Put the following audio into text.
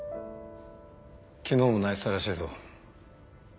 昨日も泣いてたらしいぞ。